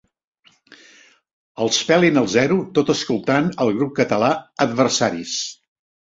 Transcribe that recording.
Els pelin al zero tot escoltant el grup català Atversaris.